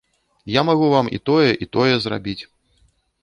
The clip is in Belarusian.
Я магу вам і тое, і тое зрабіць.